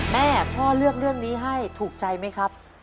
แม่พ่อเลือกเรื่องนี้ให้ถูกใจไหมครับ